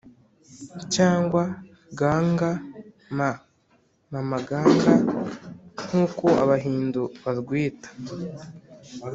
cyangwa ganga ma (mama ganga), nk’uko abahindu barwita